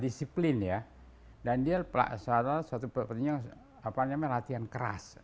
disiplin ya dan dia seolah olah satu petinju yang latihan keras